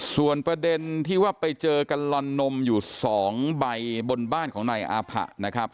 ส่วนประเด็นที่ว่าไปเจอกันลอนนมอยู่๒ใบบนบ้านของนายอาผะนะครับ